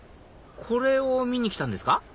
これを見に来たんですか？